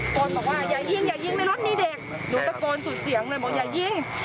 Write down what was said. คนบอกว่าอย่ายิงอย่ายิงในรถมีเด็กหนูตะโกนสุดเสียงเลยบอกอย่ายิง